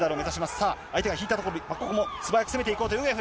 さあ、相手が引いたところで、ここも素早く攻めていこうというウグエフ。